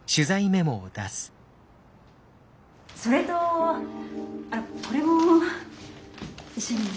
それとこれも一緒に。